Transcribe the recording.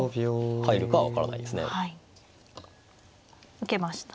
受けました。